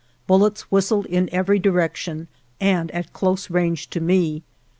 Bullets whistled in every direction and at close range to me.